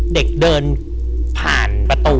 เด็กเดินผ่านประตู